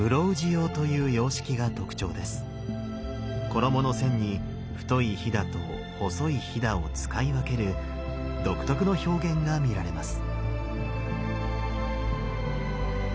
衣の線に太いひだと細いひだを使い分ける独特の表現が見られます。